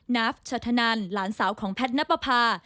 นาฟชธนันหลานสาวของแพทย์นับประพา